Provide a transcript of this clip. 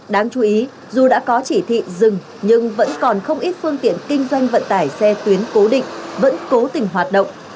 đáng chú ý dù đã có chỉ thị dừng nhưng vẫn còn không ít phương tiện kinh doanh vận tải xe tuyến cố định vẫn cố tình hoạt động